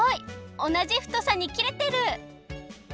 おなじふとさにきれてる！